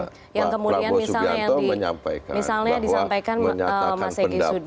atas back kepada budokan ini sangat ketat pak prabowo yakin bahwa sekarang pria juga dia "